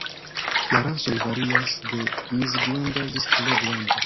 La rasoj varias de mezgranda ĝis tre granda.